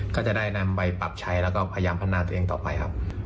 ก็จะได้นำไปปรับใช้แล้วก็พยายามพัฒนาตัวเองต่อไปครับ